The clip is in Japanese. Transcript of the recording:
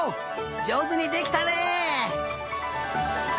じょうずにできたね！